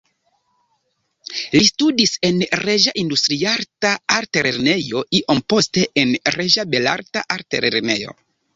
Li studis en Reĝa Industriarta Altlernejo, iom poste en Reĝa Belarta Altlernejo.